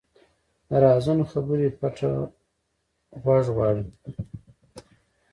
د رازونو خبرې پټه غوږ غواړي